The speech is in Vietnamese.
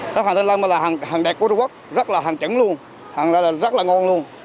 các hàng thanh long là hàng đẹp của trung quốc rất là hàng chứng luôn hàng rất là ngon luôn